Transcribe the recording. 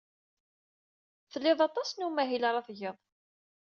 Tlid aṭas n umahil ara tged.